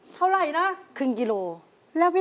ตายแล้ว